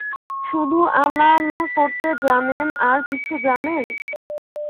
শুধু আল্লাহ-আল্লাহ করতে জানেন, আর কিছু জানেন?